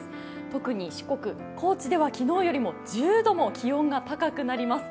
特に四国・高知では昨日よりも１０度も気温が高くなります。